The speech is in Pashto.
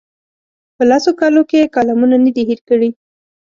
په لسو کالو کې یې کالمونه نه دي هېر کړي.